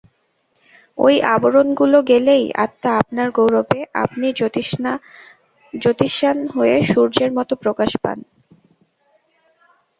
ঐ আবরণগুলো গেলেই আত্মা আপনার গৌরবে আপনি জোতিষ্মান হয়ে সূর্যের মত প্রকাশ পান।